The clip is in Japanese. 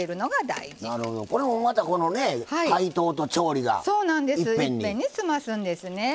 いっぺんに済ますんですね。